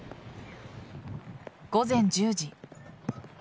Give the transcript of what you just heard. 午前１０時。